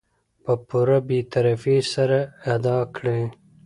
په پوره بې طرفي سره ادا کړي .